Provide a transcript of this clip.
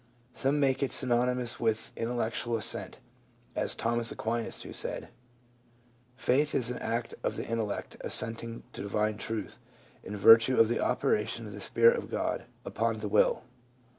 Some make it synonymous with intellectual assent, as Thomas Aquinas, who said : "Faith is an act of the intellect assenting to divine truth, in virtue of the operation of the Spirit of God upon the will.